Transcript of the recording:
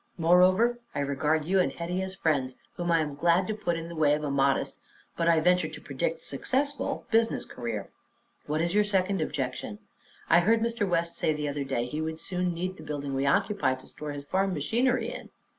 Moreover, I regard you and Hetty as friends whom I am glad to put in the way of a modest but I venture to predict a successful business career. What is your second objection?" "I heard Mr. West say the other day that he would soon need the building we occupy to store his farm machinery in."